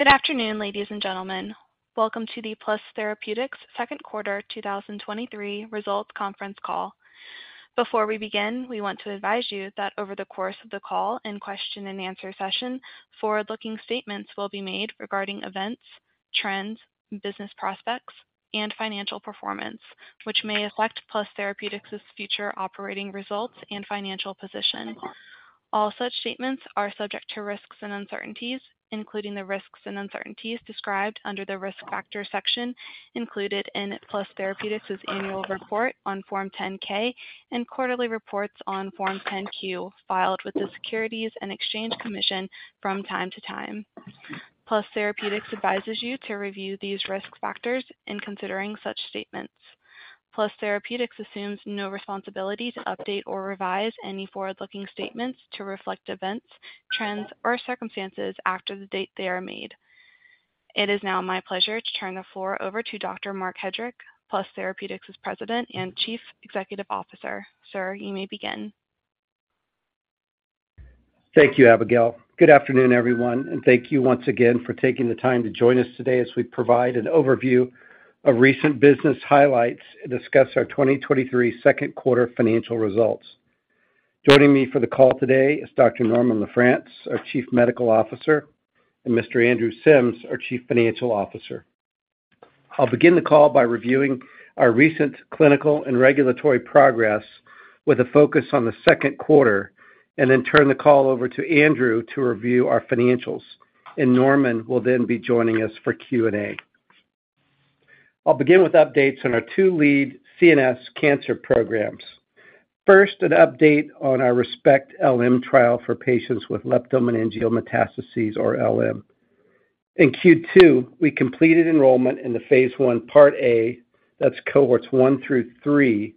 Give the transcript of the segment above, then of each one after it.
Good afternoon, ladies and gentlemen. Welcome to the Plus Therapeutics Second Quarter 2023 Results Conference Call. Before we begin, we want to advise you that over the course of the call and question and answer session, forward-looking statements will be made regarding events, trends, business prospects, and financial performance, which may affect Plus Therapeutics' future operating results and financial position. All such statements are subject to risks and uncertainties, including the risks and uncertainties described under the Risk Factors section included in Plus Therapeutics' Annual Report on Form 10-K and quarterly reports on Form 10-Q, filed with the Securities and Exchange Commission from time to time. Plus Therapeutics advises you to review these risk factors in considering such statements. Plus Therapeutics assumes no responsibility to update or revise any forward-looking statements to reflect events, trends, or circumstances after the date they are made. It is now my pleasure to turn the floor over to Dr. Marc Hedrick, Plus Therapeutics' President and Chief Executive Officer. Sir, you may begin. Thank you, Abigail. Good afternoon, everyone, and thank you once again for taking the time to join us today as we provide an overview of recent business highlights and discuss our 2023 second quarter financial results. Joining me for the call today is Dr. Norman LaFrance, our Chief Medical Officer, and Mr. Andrew Sims, our Chief Financial Officer. I'll begin the call by reviewing our recent clinical and regulatory progress with a focus on the second quarter, and then turn the call over to Andrew to review our financials, and Norman will then be joining us for Q&A. I'll begin with updates on our two lead CNS cancer programs. First, an update on our ReSPECT-LM trial for patients with leptomeningeal metastases, or LM. In Q2, we completed enrollment in the Phase 1, Part A, that's cohorts one through three.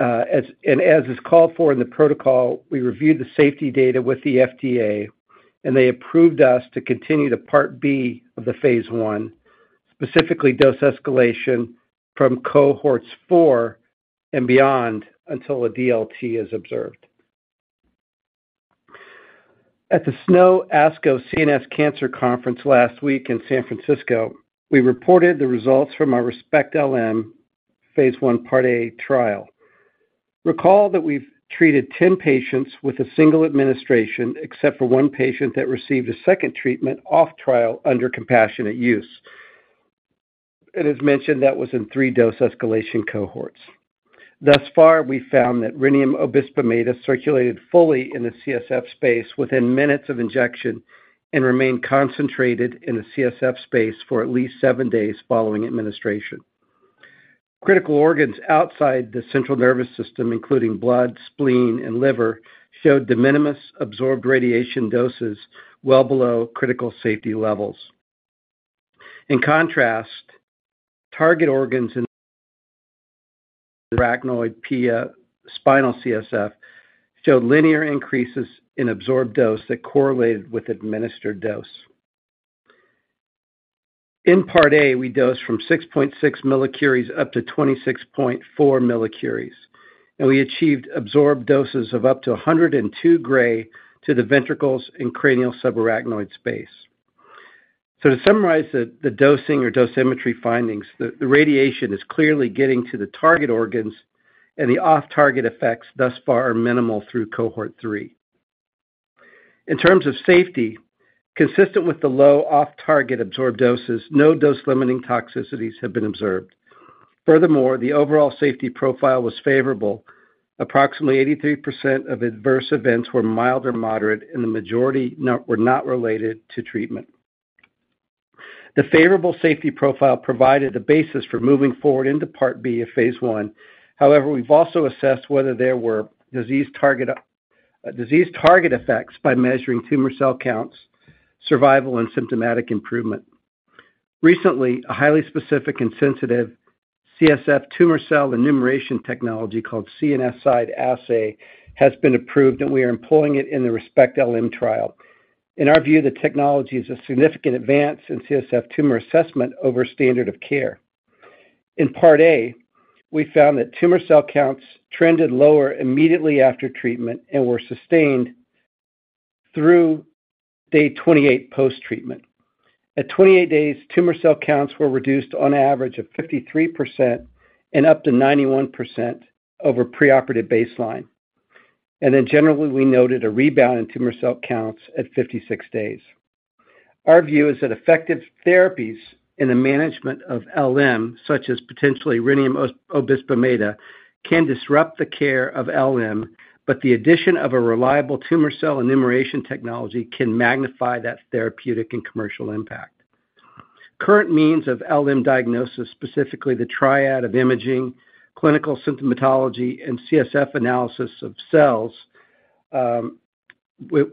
As is called for in the protocol, we reviewed the safety data with the FDA, and they approved us to continue to Part B of the phase 1, specifically dose escalation from cohorts four and beyond, until a DLT is observed. At the SNO/ASCO CNS Cancer Conference last week in San Francisco, we reported the results from our ReSPECT-LM phase 1, Part A trial. Recall that we've treated 10 patients with a single administration, except for one patient that received a second treatment off trial under compassionate use, and as mentioned, that was in three dose escalation cohorts. Thus far, we found that rhenium-186 obisbemeda circulated fully in the CSF space within minutes of injection and remained concentrated in the CSF space for at least seven days following administration. Critical organs outside the central nervous system, including blood, spleen, and liver, showed de minimis absorbed radiation doses well below critical safety levels. In contrast, target organs in subarachnoid pia spinal CSF showed linear increases in absorbed dose that correlated with administered dose. In Part A, we dosed from 6.6 millicuries up to 26.4 millicuries, and we achieved absorbed doses of up to 102 gray to the ventricles and cranial subarachnoid space. To summarize the dosing or dosimetry findings, the radiation is clearly getting to the target organs, the off-target effects thus far are minimal through cohort 3. In terms of safety, consistent with the low off-target absorbed doses, no dose-limiting toxicities have been observed. Furthermore, the overall safety profile was favorable. Approximately 83% of adverse events were mild or moderate, and the majority not, were not related to treatment. The favorable safety profile provided the basis for moving forward into Part B of phase 1. However, we've also assessed whether there were disease target, disease target effects by measuring tumor cell counts, survival, and symptomatic improvement. Recently, a highly specific and sensitive CSF tumor cell enumeration technology called CNSide Assay has been approved, and we are employing it in the ReSPECT-LM trial. In our view, the technology is a significant advance in CSF tumor assessment over standard of care. In Part A, we found that tumor cell counts trended lower immediately after treatment and were sustained through day 28 post-treatment. At 28 days, tumor cell counts were reduced on average of 53% and up to 91% over preoperative baseline. Then generally, we noted a rebound in tumor cell counts at 56 days. Our view is that effective therapies in the management of LM, such as potentially rhenium-186 obisbemeda, can disrupt the care of LM, but the addition of a reliable tumor cell enumeration technology can magnify that therapeutic and commercial impact. Current means of LM diagnosis, specifically the triad of imaging, clinical symptomatology, and CSF analysis of cells,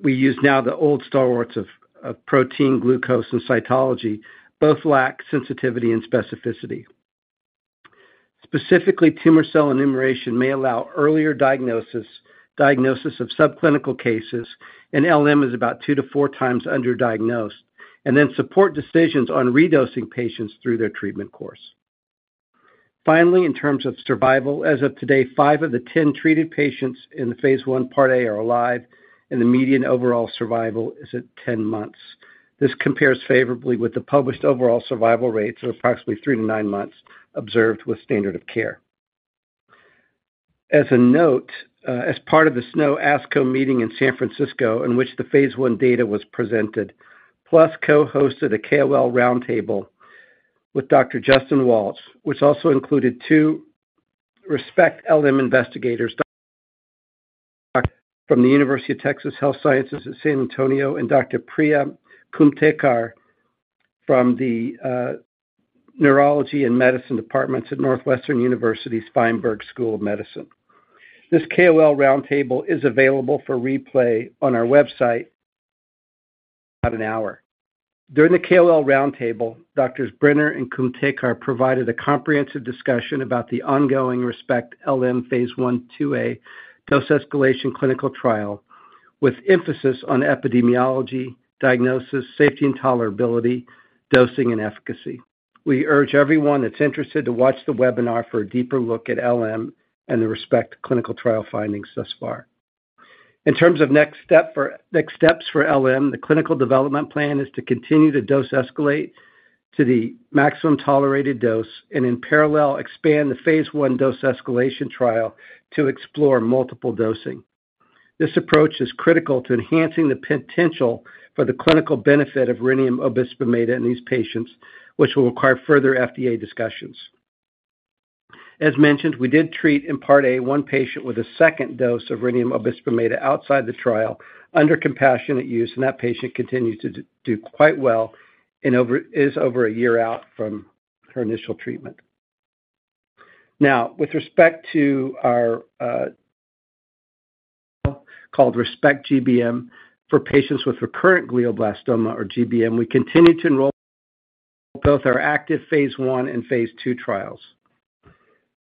we use now the old stalwarts of protein, glucose, and cytology, both lack sensitivity and specificity. Specifically, tumor cell enumeration may allow earlier diagnosis, diagnosis of subclinical cases, and LM is about 2-4 times underdiagnosed, then support decisions on redosing patients through their treatment course. Finally, in terms of survival, as of today, 5 of the 10 treated patients in the phase 1 Part A are alive, and the median overall survival is at 10 months. This compares favorably with the published overall survival rates of approximately 3-9 months observed with standard of care. As a note, as part of the SNO ASCO meeting in San Francisco, in which the phase 1 data was presented, Plus co-hosted a KOL roundtable with Dr. Justin Walsh, which also included two ReSPECT-LM investigators, Dr. Brenner from the University of Texas Health Science Center at San Antonio, and Dr. Priya Kumthekar from the Neurology and Medicine departments at Northwestern University Feinberg School of Medicine. This KOL roundtable is available for replay on our website, about 1 hour. During the KOL roundtable, Doctors Brenner and Kumthekar provided a comprehensive discussion about the ongoing ReSPECT-LM phase 1/2A dose escalation clinical trial, with emphasis on epidemiology, diagnosis, safety and tolerability, dosing, and efficacy. We urge everyone that's interested to watch the webinar for a deeper look at LM and the ReSPECT clinical trial findings thus far. In terms of next steps for LM, the clinical development plan is to continue to dose escalate to the maximum tolerated dose and in parallel, expand the phase 1 dose escalation trial to explore multiple dosing. This approach is critical to enhancing the potential for the clinical benefit of rhenium-186 obisbemeda in these patients, which will require further FDA discussions. As mentioned, we did treat in Part A, one patient with a second dose of rhenium-186 obisbemeda outside the trial under compassionate use. That patient continues to do quite well and is over a year out from her initial treatment. With respect to our called ReSPECT-GBM, for patients with recurrent glioblastoma or GBM, we continue to enroll both our active phase 1 and phase 2 trials.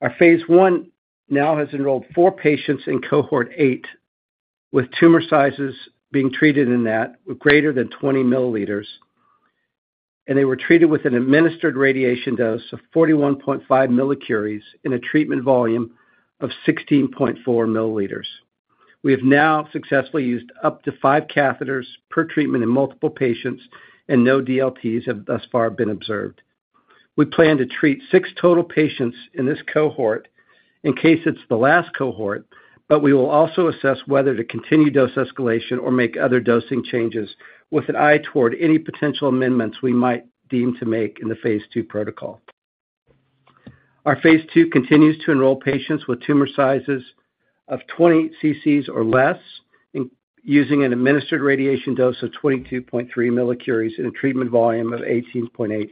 Our phase 1 now has enrolled four patients in cohort eight, with tumor sizes being treated in that greater than 20 milliliters. They were treated with an administered radiation dose of 41.5 millicuries in a treatment volume of 16.4 milliliters. We have now successfully used up to five catheters per treatment in multiple patients. No DLTs have thus far been observed. We plan to treat six total patients in this cohort in case it's the last cohort, but we will also assess whether to continue dose escalation or make other dosing changes with an eye toward any potential amendments we might deem to make in the phase 2 protocol. Our phase 2 continues to enroll patients with tumor sizes of 20 ccs or less, using an administered radiation dose of 22.3 millicuries in a treatment volume of 18.8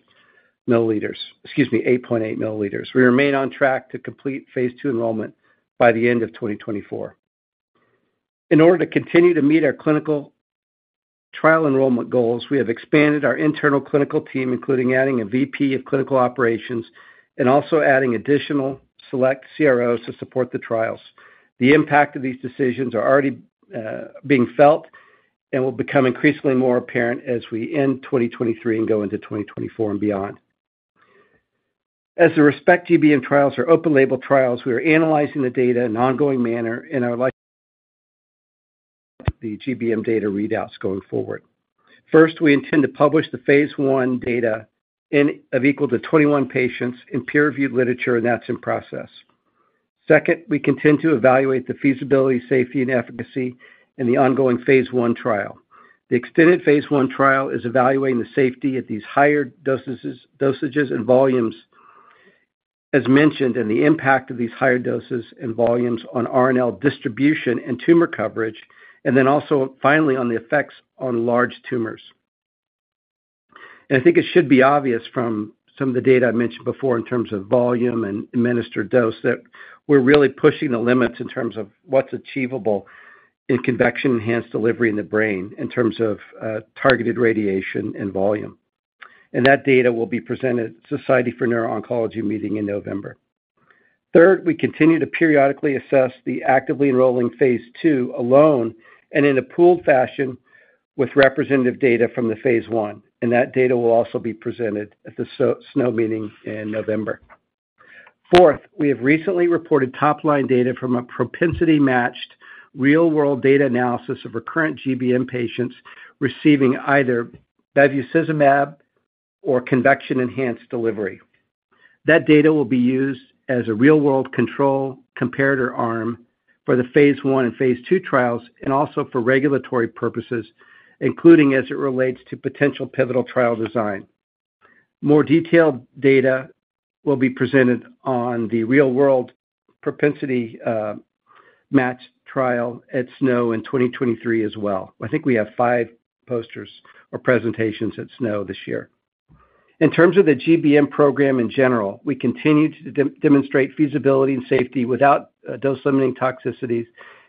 milliliters. Excuse me, 8.8 milliliters. We remain on track to complete phase 2 enrollment by the end of 2024. In order to continue to meet our clinical trial enrollment goals, we have expanded our internal clinical team, including adding a VP of Clinical Operations and also adding additional select CROs to support the trials. The impact of these decisions are already being felt and will become increasingly more apparent as we end 2023 and go into 2024 and beyond. As the ReSPECT-GBM trials are open label trials, we are analyzing the data in an ongoing manner and are like the GBM data readouts going forward. First, we intend to publish the phase 1 data n of equal to 21 patients in peer-reviewed literature, and that's in process. Second, we continue to evaluate the feasibility, safety, and efficacy in the ongoing phase 1 trial. The extended phase 1 trial is evaluating the safety at these higher dosages, dosages and volumes, as mentioned, and the impact of these higher doses and volumes on RNL distribution and tumor coverage, and then also finally on the effects on large tumors. I think it should be obvious from some of the data I mentioned before in terms of volume and administered dose, that we're really pushing the limits in terms of what's achievable in convection-enhanced delivery in the brain, in terms of targeted radiation and volume. That data will be presented at Society for Neuro-Oncology Meeting in November. Third, we continue to periodically assess the actively enrolling phase 2 alone and in a pooled fashion with representative data from the phase 1, and that data will also be presented at the SNO Meeting in November. Fourth, we have recently reported top-line data from a propensity-matched, real-world data analysis of recurrent GBM patients receiving either bevacizumab or convection-enhanced delivery. That data will be used as a real-world control comparator arm for the phase 1 and phase 2 trials, and also for regulatory purposes, including as it relates to potential pivotal trial design. More detailed data will be presented on the real-world propensity match trial at SNO in 2023 as well. I think we have five posters or presentations at SNO this year. In terms of the GBM program in general, we continue to demonstrate feasibility and safety without dose-limiting toxicities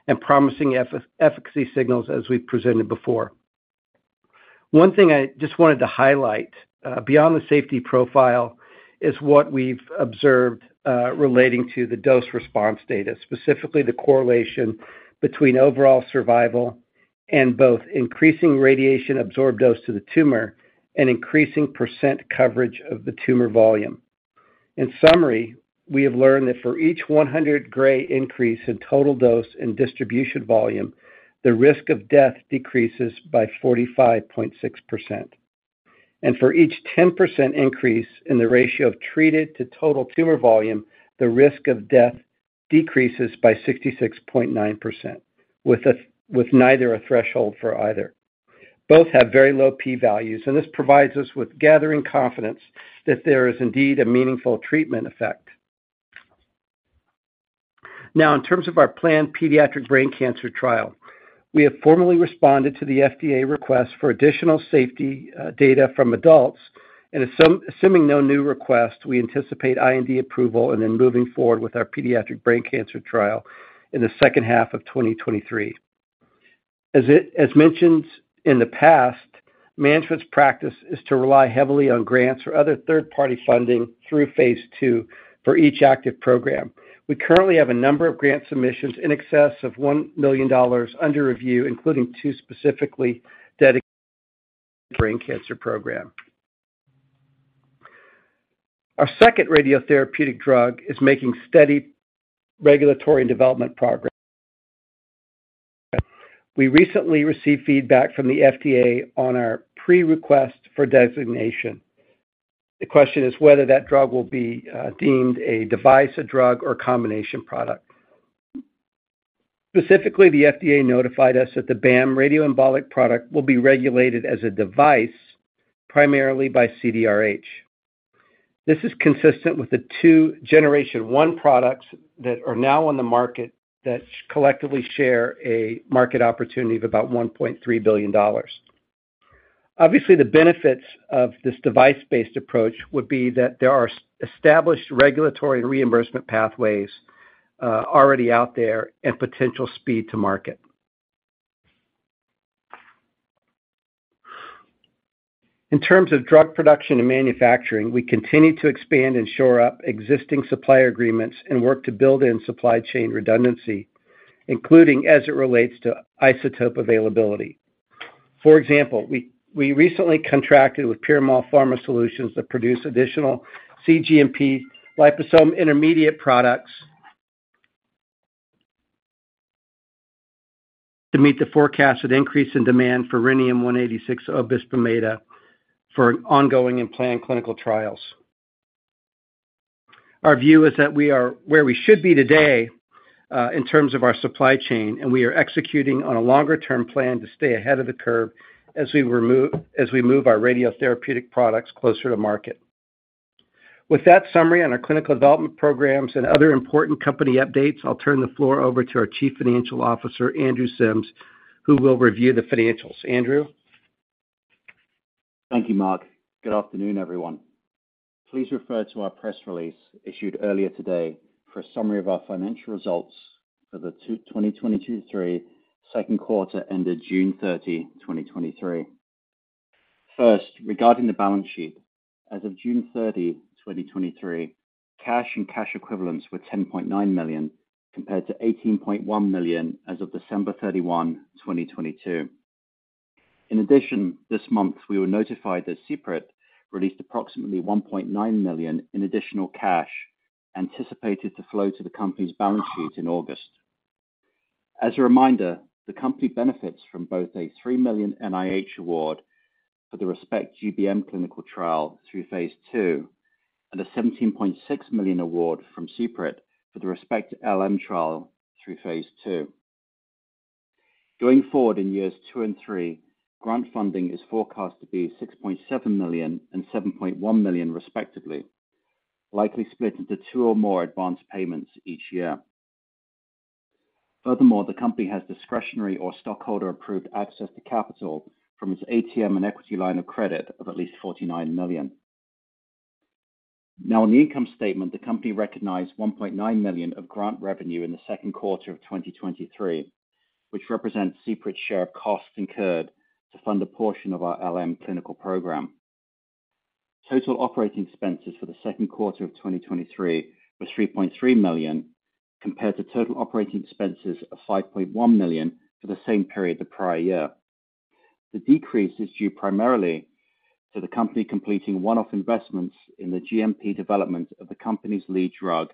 and promising efficacy signals as we've presented before. One thing I just wanted to highlight, beyond the safety profile, is what we've observed relating to the dose response data, specifically the correlation between overall survival and both increasing radiation absorbed dose to the tumor and increasing % coverage of the tumor volume. In summary, we have learned that for each 100 gray increase in total dose and distribution volume, the risk of death decreases by 45.6%. For each 10% increase in the ratio of treated to total tumor volume, the risk of death decreases by 66.9%, with neither a threshold for either. Both have very low P values, and this provides us with gathering confidence that there is indeed a meaningful treatment effect. In terms of our planned pediatric brain cancer trial, we have formally responded to the FDA request for additional safety data from adults, and assuming no new requests, we anticipate IND approval and then moving forward with our pediatric brain cancer trial in the second half of 2023. As it, as mentioned in the past, management's practice is to rely heavily on grants or other third-party funding through phase II for each active program. We currently have a number of grant submissions in excess of $1 million under review, including 2 specifically dedicated brain cancer program. Our second radiotherapeutic drug is making steady regulatory and development progress. We recently received feedback from the FDA on our Pre-Request for Designation. The question is whether that drug will be deemed a device, a drug, or combination product. Specifically, the FDA notified us that the BAM radioembolic product will be regulated as a device primarily by CDRH. This is consistent with the 2 Generation 1 products that are now on the market, that collectively share a market opportunity of about $1.3 billion. Obviously, the benefits of this device-based approach would be that there are established regulatory and reimbursement pathways already out there and potential speed to market. In terms of drug production and manufacturing, we continue to expand and shore up existing supplier agreements and work to build in supply chain redundancy, including as it relates to isotope availability. For example, we, we recently contracted with Piramal Pharma Solutions to produce additional cGMP liposome intermediate products to meet the forecasted increase in demand for rhenium-186 obisbemeda for ongoing and planned clinical trials. Our view is that we are where we should be today, in terms of our supply chain, and we are executing on a longer-term plan to stay ahead of the curve as we move our radiotherapeutic products closer to market. With that summary on our clinical development programs and other important company updates, I'll turn the floor over to our Chief Financial Officer, Andrew Sims, who will review the financials. Andrew? Thank you, Marc. Good afternoon, everyone. Please refer to our press release issued earlier today for a summary of our financial results for the 2023 second quarter ended June 30, 2023. First, regarding the balance sheet, as of June 30, 2023, cash and cash equivalents were $10.9 million, compared to $18.1 million as of December 31, 2022. In addition, this month, we were notified that CPRIT released approximately $1.9 million in additional cash, anticipated to flow to the company's balance sheet in August. As a reminder, the company benefits from both a $3 million NIH award for the ReSPECT-GBM clinical trial through phase II, and a $17.6 million award from CPRIT for the ReSPECT-LM trial through phase II. Going forward in years two and three, grant funding is forecast to be $6.7 million and $7.1 million, respectively, likely split into two or more advanced payments each year. Furthermore, the company has discretionary or stockholder-approved access to capital from its ATM and equity line of credit of at least $49 million. On the income statement, the company recognized $1.9 million of grant revenue in the second quarter of 2023, which represents CPRIT's share of costs incurred to fund a portion of our LM clinical program. Total operating expenses for the second quarter of 2023 were $3.3 million, compared to total operating expenses of $5.1 million for the same period the prior year. The decrease is due primarily to the company completing one-off investments in the GMP development of the company's lead drug,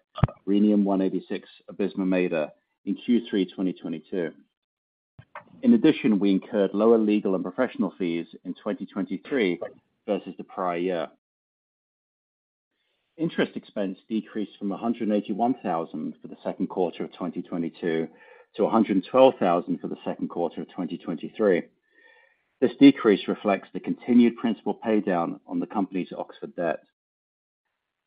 rhenium-186 obisbemeda, in Q3 2022. In addition, we incurred lower legal and professional fees in 2023 versus the prior year. Interest expense decreased from $181,000 for the second quarter of 2022 to $112,000 for the second quarter of 2023. This decrease reflects the continued principal paydown on the company's Oxford debt.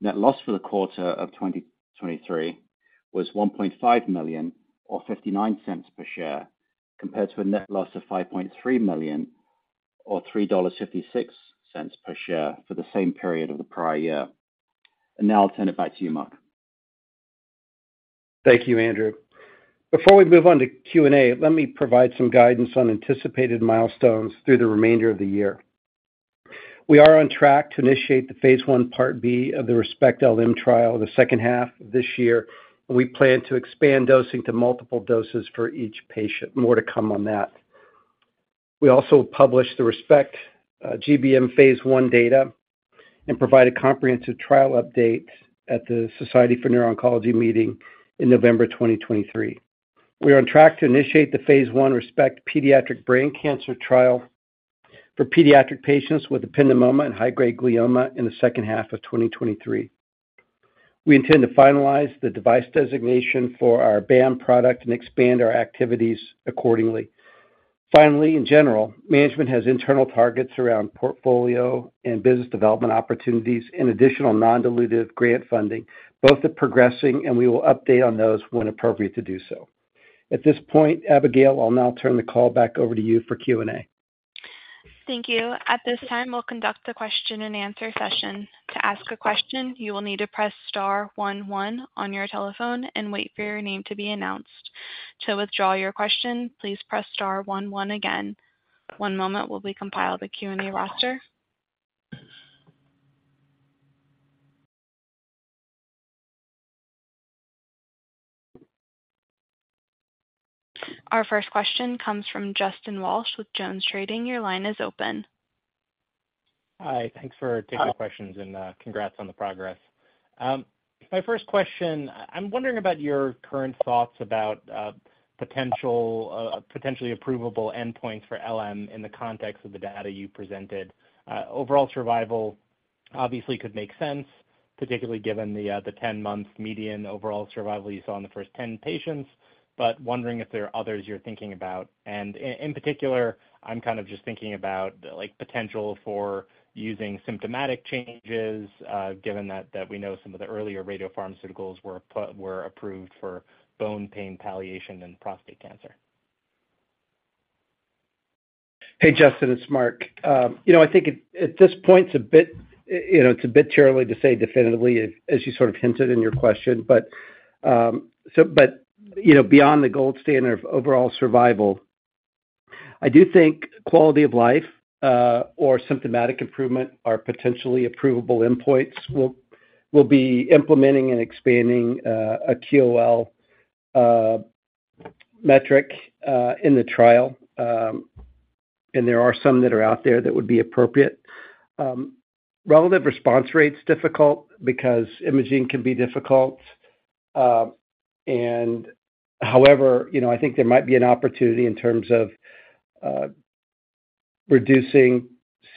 Net loss for the quarter of 2023 was $1.5 million, or $0.59 per share, compared to a net loss of $5.3 million, or $3.56 per share, for the same period of the prior year. Now I'll turn it back to you, Marc. Thank you, Andrew. Before we move on to Q&A, let me provide some guidance on anticipated milestones through the remainder of the year. We are on track to initiate the phase I, Part B of the ReSPECT-LM trial in the second half of this year. We plan to expand dosing to multiple doses for each patient. More to come on that. We also published the ReSPECT-GBM phase I data and provide a comprehensive trial update at the Society for Neuro-Oncology meeting in November 2023. We are on track to initiate the phase I ReSPECT pediatric brain cancer trial for pediatric patients with ependymoma and high-grade glioma in the second half of 2023. We intend to finalize the device designation for our BAM product and expand our activities accordingly. Finally, in general, management has internal targets around portfolio and business development opportunities and additional non-dilutive grant funding. Both are progressing, and we will update on those when appropriate to do so. At this point, Abigail, I'll now turn the call back over to you for Q&A. Thank you. At this time, we'll conduct a question-and-answer session. To ask a question, you will need to press star 1, 1 on your telephone and wait for your name to be announced. To withdraw your question, please press star 1, 1 again. 1 moment while we compile the Q&A roster. Our first question comes from Justin Walsh with JonesTrading. Your line is open. Hi, thanks for taking questions, and congrats on the progress. My first question, I'm wondering about your current thoughts about potential potentially approvable endpoints for LM in the context of the data you presented. Overall survival obviously could make sense, particularly given the 10-month median overall survival you saw in the first 10 patients, but wondering if there are others you're thinking about. In particular, I'm kind of just thinking about, like, potential for using symptomatic changes, given that we know some of the earlier radiopharmaceuticals were approved for bone pain palliation in prostate cancer. Hey, Justin, it's Marc. You know, I think at, at this point, it's a bit, you know, it's a bit too early to say definitively as, as you sort of hinted in your question, but, you know, beyond the gold standard of overall survival, I do think quality of life, or symptomatic improvement are potentially approvable endpoints. We'll, we'll be implementing and expanding a QOL metric in the trial, and there are some that are out there that would be appropriate. Relative response rate's difficult because imaging can be difficult, and... However, you know, I think there might be an opportunity in terms of reducing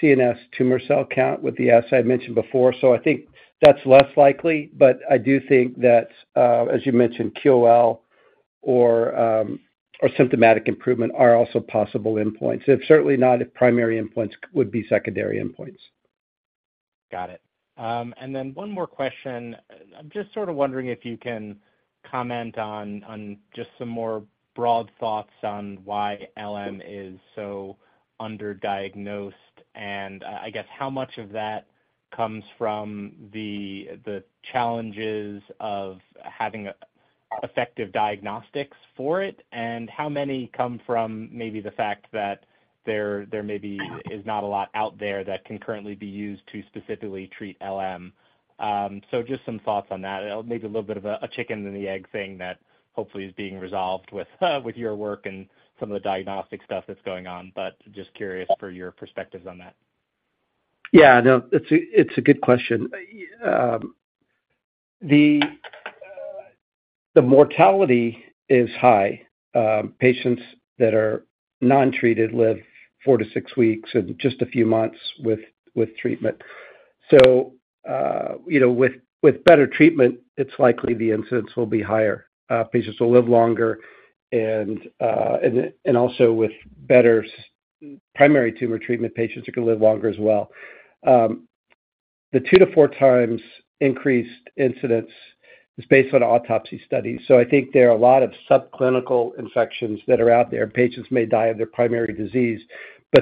CNS tumor cell count with the assay I mentioned before, so I think that's less likely. I do think that, as you mentioned, QOL or symptomatic improvement are also possible endpoints. If certainly not, if primary endpoints would be secondary endpoints. Got it. Then one more question. I'm just sort of wondering if you can comment on, on just some more broad thoughts on why LM is so underdiagnosed, and, I guess how much of that comes from the, the challenges of having a effective diagnostics for it, and how many come from maybe the fact that there, there maybe is not a lot out there that can currently be used to specifically treat LM? Just some thoughts on that, maybe a little bit of a, a chicken and the egg thing that hopefully is being resolved with, with your work and some of the diagnostic stuff that's going on, but just curious for your perspectives on that. Yeah, no, it's a good question. The mortality is high. Patients that are non-treated live four to six weeks and just a few months with treatment. You know, with better treatment, it's likely the incidence will be higher. Patients will live longer, and also with better primary tumor treatment, patients are going to live longer as well. The two to four times increased incidence is based on autopsy studies, I think there are a lot of subclinical infections that are out there. Patients may die of their primary disease,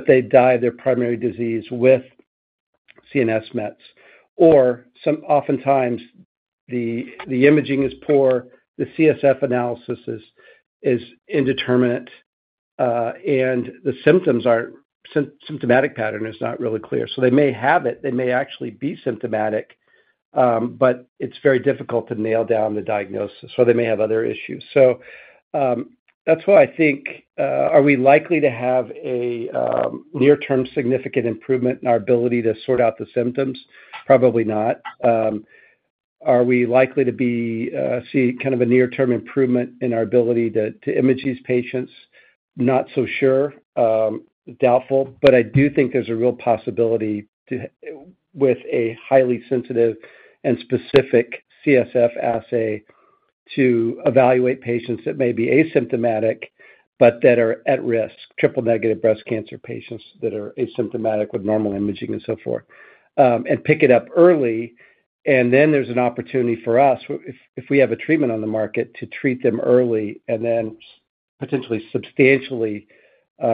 they die of their primary disease with CNS mets, or some oftentimes the imaging is poor, the CSF analysis is indeterminate, and the symptomatic pattern is not really clear. They may have it, they may actually be symptomatic, but it's very difficult to nail down the diagnosis, or they may have other issues. That's why I think, are we likely to have a near-term significant improvement in our ability to sort out the symptoms? Probably not. Are we likely to be see kind of a near-term improvement in our ability to image these patients? Not so sure, doubtful, but I do think there's a real possibility to, with a highly sensitive and specific CSF assay to evaluate patients that may be asymptomatic but that are at risk, triple negative breast cancer patients that are asymptomatic with normal imaging and so forth, and pick it up early. Then there's an opportunity for us, if, if we have a treatment on the market, to treat them early and then potentially substantially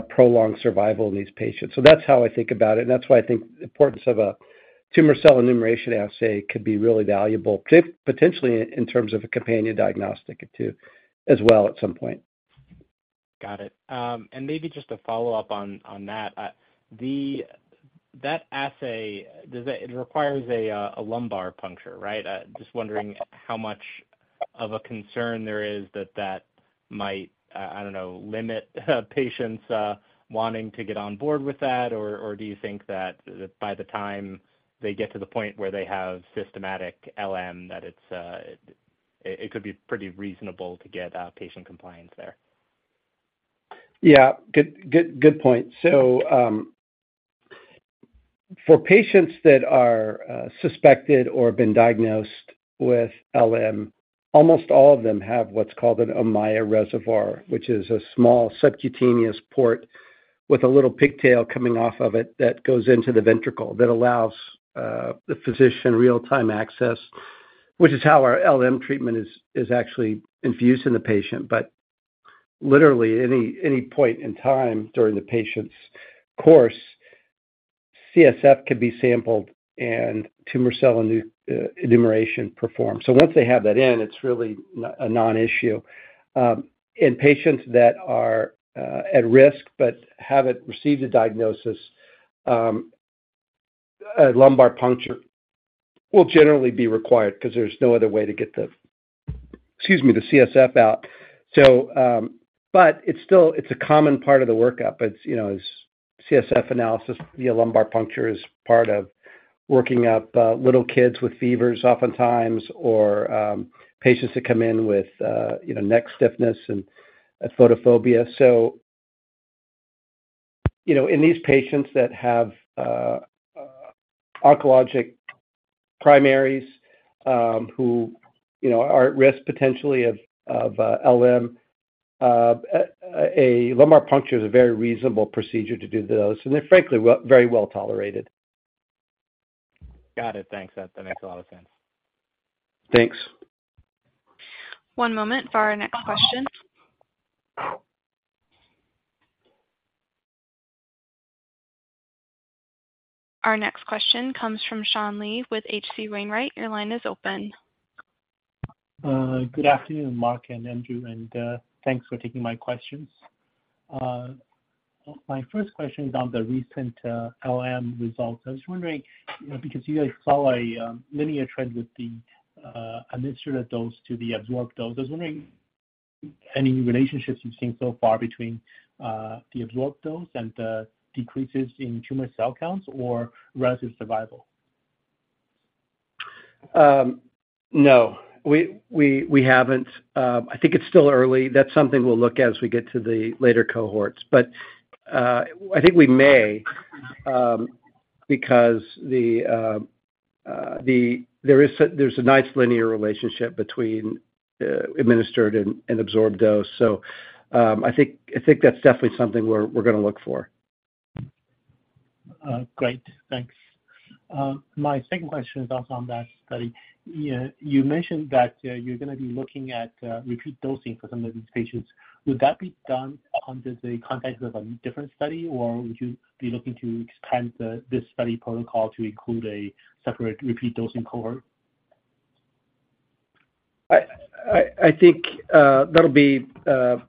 prolong survival in these patients. That's how I think about it, and that's why I think the importance of a tumor cell enumeration assay could be really valuable, potentially in terms of a companion diagnostic too, as well, at some point.... Got it. Maybe just a follow-up on, on that. The, that assay, does it, it requires a lumbar puncture, right? Just wondering how much of a concern there is that, that might, I don't know, limit, patients, wanting to get on board with that, or, or do you think that by the time they get to the point where they have systematic LM, that it's, it, it could be pretty reasonable to get patient compliance there? Yeah. Good, good, good point. For patients that are suspected or have been diagnosed with LM, almost all of them have what's called an Ommaya reservoir, which is a small subcutaneous port with a little pigtail coming off of it that goes into the ventricle, that allows the physician real-time access, which is how our LM treatment is, is actually infused in the patient. Literally, at any, any point in time during the patient's course, CSF could be sampled and tumor cell enumeration performed. Once they have that in, it's really a non-issue. In patients that are at risk but haven't received a diagnosis, a lumbar puncture will generally be required because there's no other way to get the, excuse me, the CSF out. It's still, it's a common part of the workup. It's, you know, is CSF analysis via lumbar puncture is part of working up, little kids with fevers oftentimes, or, patients that come in with, you know, neck stiffness and, photophobia. You know, in these patients that have, oncologic primaries, who, you know, are at risk potentially of, of, LM, a lumbar puncture is a very reasonable procedure to do those, and they're frankly well, very well tolerated. Got it. Thanks. That, that makes a lot of sense. Thanks. One moment for our next question. Our next question comes from Sean Lee with H.C. Wainwright. Your line is open. Good afternoon, Marc and Andrew, and thanks for taking my questions. My first question is on the recent LM results. I was wondering, you know, because you guys saw a linear trend with the administered dose to the absorbed dose. I was wondering, any relationships you've seen so far between the absorbed dose and the decreases in tumor cell counts or relative survival? No, we, we, we haven't. I think it's still early. That's something we'll look at as we get to the later cohorts, but I think we may, because there is a, there's a nice linear relationship between administered and absorbed dose. I think, I think that's definitely something we're, we're gonna look for. Great. Thanks. My second question is also on that study. You mentioned that you're gonna be looking at repeat dosing for some of these patients. Would that be done under the context of a different study, or would you be looking to expand the this study protocol to include a separate repeat dosing cohort? I think, that'll be, depending,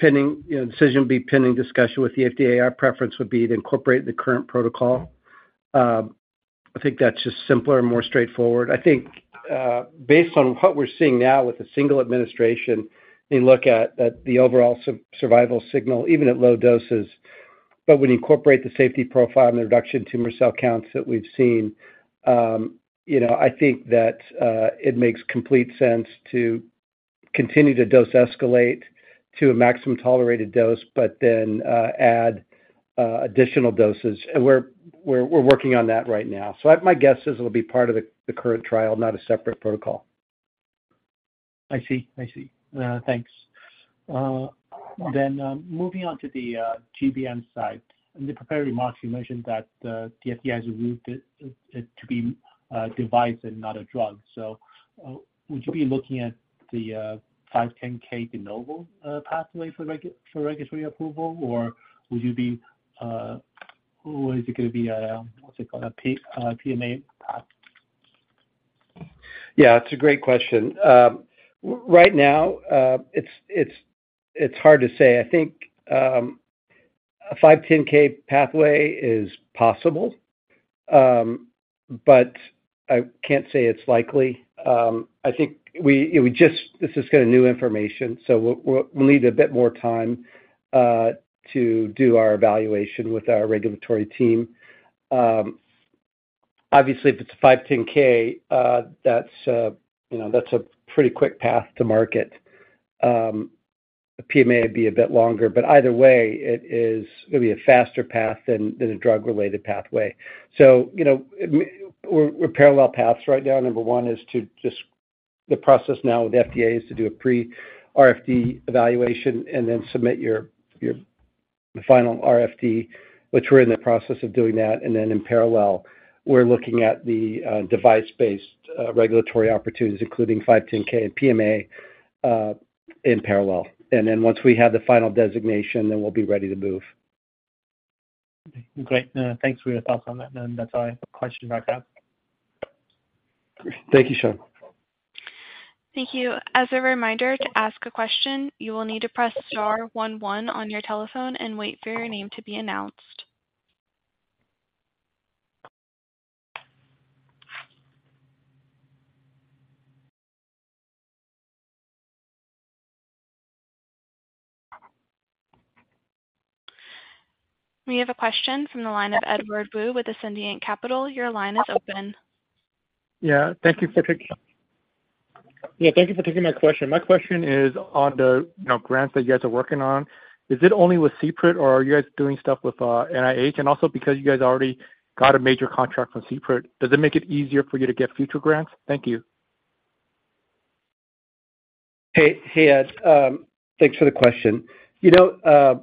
you know, the decision will be pending discussion with the FDA. Our preference would be to incorporate the current protocol. I think that's just simpler and more straightforward. I think, based on what we're seeing now with the single administration, we look at, at the overall survival signal, even at low doses. When you incorporate the safety profile and the reduction tumor cell counts that we've seen, you know, I think that, it makes complete sense to continue to dose escalate to a maximum tolerated dose, but then, add additional doses. We're working on that right now. I, my guess is it'll be part of the, the current trial, not a separate protocol. I see. I see. Thanks. Moving on to the GBM side. In the prepared remarks, you mentioned that, the FDA has ruled it, it to be, a device and not a drug. Would you be looking at the 510(k) De Novo pathway for regu- for regulatory approval, or would you be, or is it gonna be a, what's it called, a P, PMA path? Yeah, it's a great question. Right now, it's, it's, it's hard to say. I think a 510(k) pathway is possible, but I can't say it's likely. I think we, we just This is kinda new information, so we'll, we'll, we'll need a bit more time to do our evaluation with our regulatory team. Obviously, if it's a 510(k), that's, you know, that's a pretty quick path to market. A PMA would be a bit longer, but either way, it is, it'll be a faster path than, than a drug-related pathway. You know, we're, we're parallel paths right now. Number 1 is to just, the process now with FDA is to do a Pre-RFD evaluation and then submit your, your final RFD, which we're in the process of doing that. In parallel, we're looking at the device-based regulatory opportunities, including 510(k) and PMA, in parallel. Once we have the final designation, then we'll be ready to move. Great. Thanks for your thoughts on that. That's all the questions I have. Thank you, Sean. Thank you. As a reminder, to ask a question, you will need to press star 11 on your telephone and wait for your name to be announced. We have a question from the line of Edward Woo with Ascendiant Capital. Your line is open. Yeah, thank you for taking my question. My question is on the, you know, grants that you guys are working on. Is it only with CPRIT or are you guys doing stuff with NIH? Also because you guys already got a major contract from CPRIT, does it make it easier for you to get future grants? Thank you. Hey, hey, Ed. Thanks for the question. You know,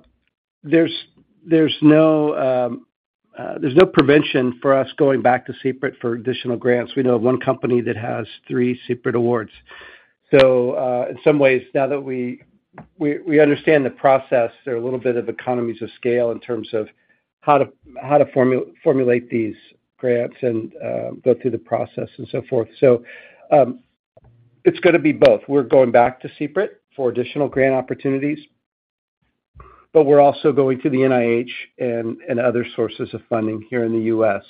there's no prevention for us going back to CPRIT for additional grants. We know of one company that has three CPRIT awards. In some ways now that we, we, we understand the process, there are a little bit of economies of scale in terms of how to, how to formulate these grants and go through the process and so forth. It's gonna be both. We're going back to CPRIT for additional grant opportunities, but we're also going to the NIH and other sources of funding here in the U.S.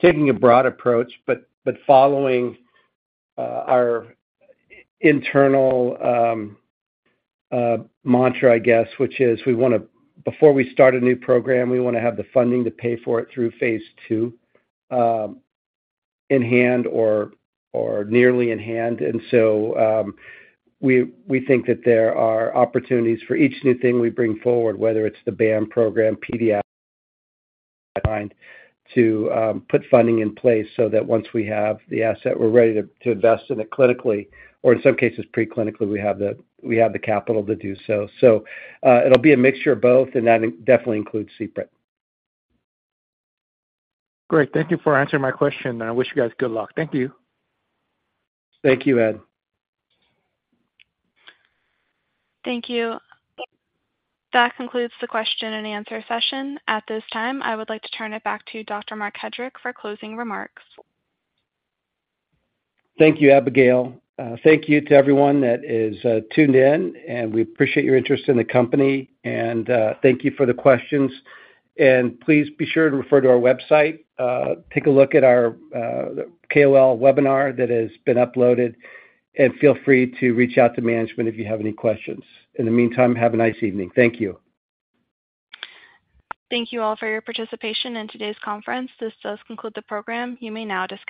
Taking a broad approach, but, but following our internal mantra, I guess, which is we wanna before we start a new program, we wanna have the funding to pay for it through phase 2 in hand or nearly in hand. We, we think that there are opportunities for each new thing we bring forward, whether it's the BAM program, pediatrics, to put funding in place so that once we have the asset, we're ready to invest in it clinically or in some cases preclinically, we have the, we have the capital to do so. It'll be a mixture of both, and that definitely includes CPRIT. Great. Thank you for answering my question, and I wish you guys good luck. Thank you. Thank you, Ed. Thank you. That concludes the question and answer session. At this time, I would like to turn it back to Dr. Marc Hedrick for closing remarks. Thank you, Abigail. Thank you to everyone that is tuned in, and we appreciate your interest in the company. Thank you for the questions. Please be sure to refer to our website. Take a look at our KOL webinar that has been uploaded, and feel free to reach out to management if you have any questions. In the meantime, have a nice evening. Thank you. Thank you all for your participation in today's conference. This does conclude the program. You may now disconnect.